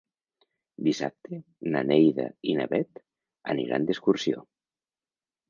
Dissabte na Neida i na Bet aniran d'excursió.